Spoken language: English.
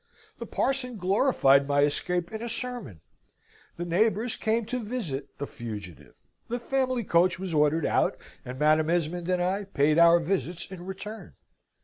The parson glorified my escape in a sermon; the neighbours came to visit the fugitive; the family coach was ordered out, and Madam Esmond and I paid our visits in return.